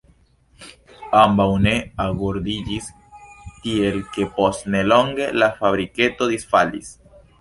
Ambaŭ ne agordiĝis, tiel ke post nelonge la fabriketo disfalis.